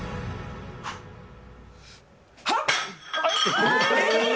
はっ！